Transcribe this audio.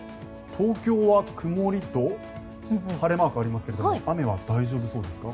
東京は曇りと晴れマークがありますけれども雨は大丈夫そうですか？